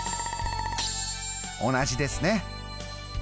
同じですね。